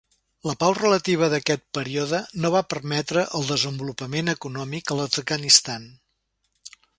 La pau relativa d'aquest període no va permetre el desenvolupament econòmic a l'Afganistan.